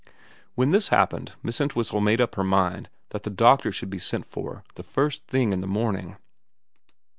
When this happened Miss Entwhistle made up her mind that the doctor should be sent for the first thing in the morning.